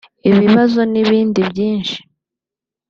ibibazo n’ibindi byinshi